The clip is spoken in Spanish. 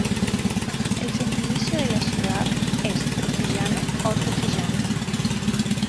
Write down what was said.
El gentilicio de la ciudad es "trujillano" o "trujillana".